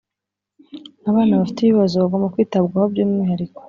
Abana bafite ibibazo bagomba kwitabwaho by’umwihariko